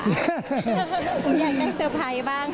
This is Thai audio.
ผมอยากนั่งเซอร์ไพรส์บ้าง